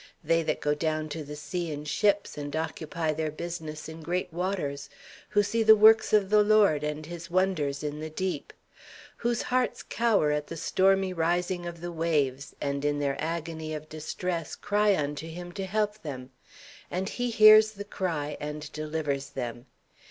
They that go down to the sea in ships, and occupy their business in great waters, who see the works of the Lord, and His wonders in the deep; whose hearts cower at the stormy rising of the waves, and in their agony of distress cry unto Him to help them; and He hears the cry, and delivers them.